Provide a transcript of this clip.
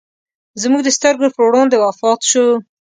زموږ د سترګو پر وړاندې وفات شو.